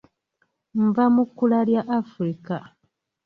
Nva mu kkula lya Africa